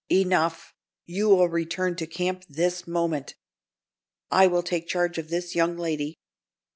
"Enough. You will return to camp this moment. I will take charge of this young lady.